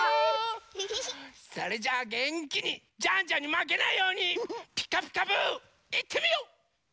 それじゃあげんきにジャンジャンにまけないように「ピカピカブ！」いってみよう！